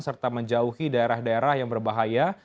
serta menjauhi daerah daerah yang berbahaya